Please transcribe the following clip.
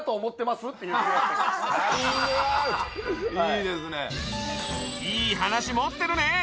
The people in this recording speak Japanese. いいですねいい話持ってるね！